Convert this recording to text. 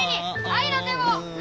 愛の手を！